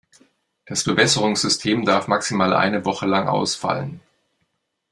Das Bewässerungssystem darf maximal eine Woche lang ausfallen.